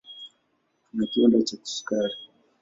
Kuna kiwanda cha sukari.